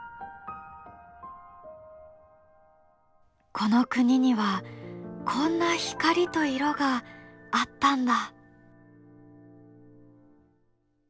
この国にはこんな光と色があったんだ。